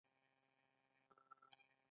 ایران د سوداګرۍ مرکز دی.